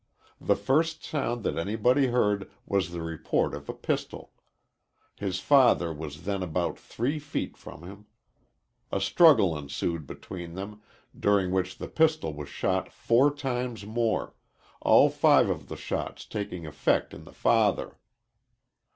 The first sound that anybody heard was the report of a pistol. His father was then about three feet from him. A struggle ensued between them, during which the pistol was shot four times more, all five of the shots taking effect in the father.